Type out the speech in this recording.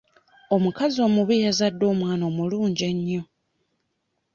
Omukazi omubi yazadde omwana omulungi ennyo.